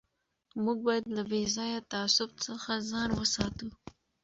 موږ باید له بې ځایه تعصب څخه ځان وساتو.